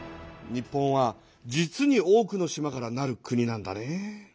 日本は実に多くの島から成る国なんだね。